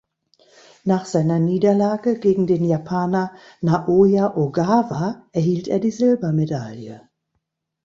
Nach seiner Niederlage gegen den Japaner Naoya Ogawa erhielt er die Silbermedaille.